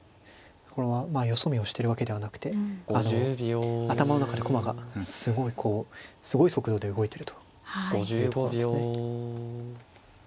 これはよそ見をしてるわけではなくて頭の中で駒がすごいこうすごい速度で動いてるというとこですね。